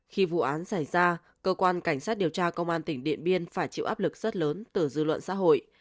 khi vụ án xảy ra cơ quan cảnh sát điều tra công an tỉnh điện biên phải chịu áp lực rất lớn từ dư luận xã hội